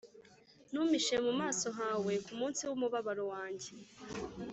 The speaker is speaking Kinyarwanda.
ntumpishe mu maso hawe kumunsi wumubabaro wanjye